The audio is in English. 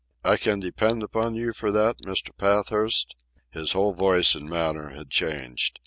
"I can depend upon you for that, Mr. Pathurst?" His whole voice and manner had changed.